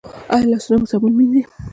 ایا لاسونه مو صابون مینځئ؟